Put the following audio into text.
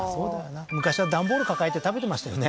昔は段ボール抱えて食べてましたよね